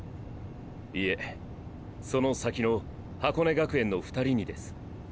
いえその先の箱根学園の２人にです。